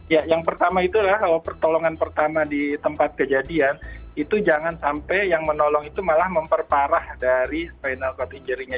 ya yang pertama itu adalah kalau pertolongan pertama di tempat kejadian itu jangan sampai yang menolong itu malah memperparah dari fainal cod injury nya